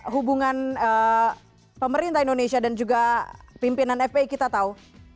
hubungan pemerintah indonesia dan juga pimpinan fpi kita tahu